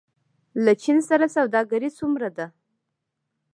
له چین سره سوداګري څومره ده؟